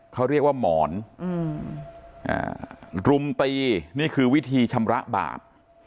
เขาเรียกว่าหมอนรุมตีนี่คือวิธีชำระบาป